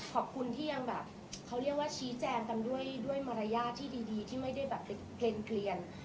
ขอบคุณที่ยังแบบเขาเรียกว่าชี้แจงกันด้วยมารยาทที่ดีที่ไม่ได้แบบไปเคลียน